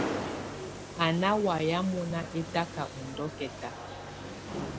Á ná wayɛ̀á mɔnà ɛtaka ù ndɔkɛ̀ta.